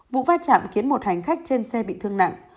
vụ va chạm khiến một hành khách trên xe bị thương nặng